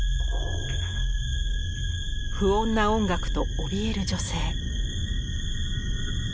不穏な音楽とおびえる女性。